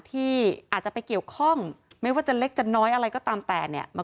ที่อาจจะไปเกี่ยวข้องไม่ว่าจะเล็กจะน้อยอะไรก็ตามแต่เนี่ย